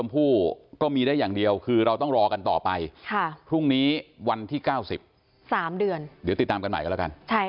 ประมาณนั้นนะครับ